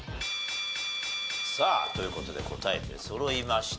さあという事で答え出そろいました。